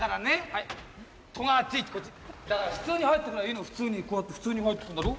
はい戸があっちこっちだから普通に入ってくりゃいいの普通にこうやって普通に入ってくんだろ